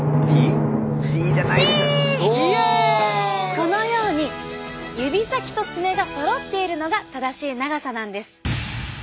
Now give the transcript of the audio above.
このように指先と爪がそろっているのが正しい長さなんです。